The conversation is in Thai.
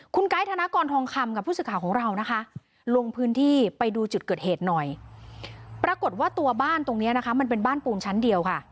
คุณไกร์ธนากรทองคำกับผู้สื่อข่าวของเรานะคะลงพื้นที่ไปดูจุดเกิดเหตุหน่อย